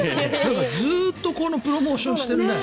ずっとこのプロモーションしてるね。